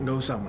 nggak usah ma